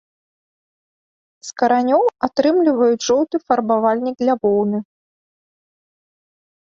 З каранёў атрымліваюць жоўты фарбавальнік для воўны.